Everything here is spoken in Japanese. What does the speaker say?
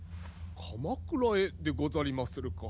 鎌倉へでござりまするか。